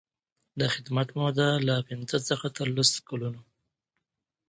د خدمت موده له پنځه څخه تر لس کلونو.